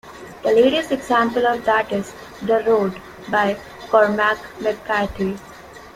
The latest example of that is "The Road", by Cormac McCarthy.